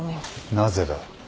なぜだ。